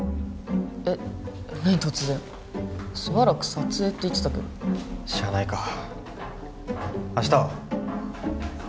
えっ何突然しばらく撮影って言ってたけどしゃあないか明日は？